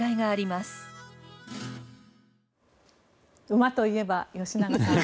馬といえば吉永さん。